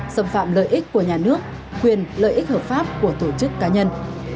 xâm phạm lợi ích của nhà nước quyền lợi ích hợp pháp của tổ chức cá nhân